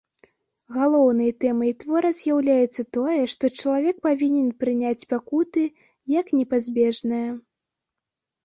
Галоўнай тэмай твора з'яўляецца тое, што чалавек павінен прыняць пакуты як непазбежнае.